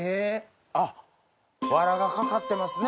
あっわらが掛かってますね。